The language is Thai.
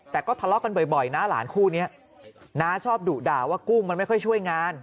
แต่ก็ทะเลาะกันบ่อยนะหลานคู่นี้น้าชอบดุด่าว่ากุ้งมันไม่ค่อยช่วยงาน